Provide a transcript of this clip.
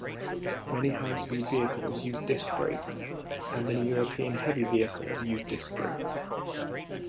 Many high-speed vehicles use disc brakes, and many European heavy vehicles use disc brakes.